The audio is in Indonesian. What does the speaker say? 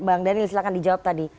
bang daniel silahkan dijawab tadi